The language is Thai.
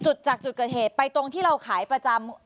จุดจากจุดเกิดเหตุไปตรงที่เราขายประจำ